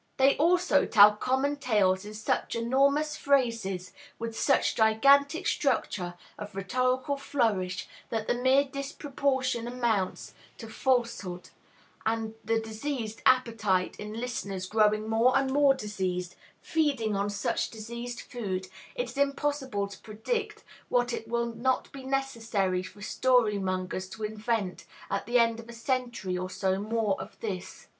They also tell common tales in such enormous phrases, with such gigantic structure of rhetorical flourish, that the mere disproportion amounts to false hood; and, the diseased appetite in listeners growing more and more diseased, feeding on such diseased food, it is impossible to predict what it will not be necessary for story mongers to invent at the end of a century or so more of this.